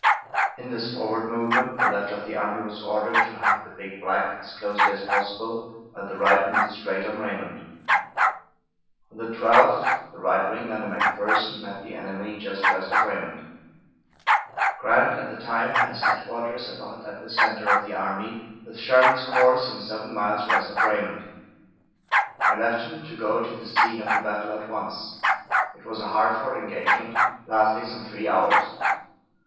In this forward movement the left of the army was ordered to hug the Big Black as closely as possible, while the right moved straight on Raymond. On the 12th, the right wing, under McPherson, met the enemy just west of Raymond. Grant at the time had his headquarters about at the center of the army, with Sherman's corps, some seven miles west of Raymond. I left him to go to the scene of the battle at once. It was a hard fought engagement, lasting some three hours.